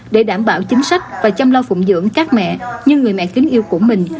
để đảm bảo chính sách và chăm lo phụng dưỡng các mẹ như người mẹ kính yêu của mình